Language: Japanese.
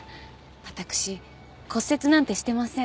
あたくし骨折なんてしてません。